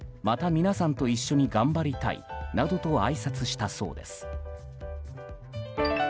また皆さんと一緒に頑張りたいなどとあいさつしたそうです。